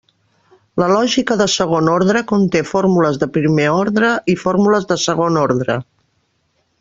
La lògica de segon ordre conté fórmules de primer ordre i fórmules de segon ordre.